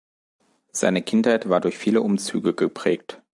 Seine Kindheit war durch viele Umzüge geprägt.